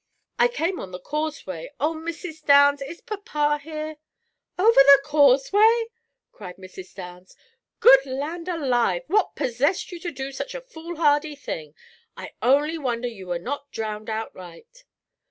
"I came on the causeway. Oh, Mrs. Downs, is papa here?" "Over the causeway!" cried Mrs. Downs. "Good land alive! What possessed you to do such a fool hardy thing? I only wonder you were not drowned outright."